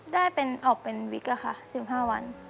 ได้ออกเป็นวิกละค่ะ๑๕วัน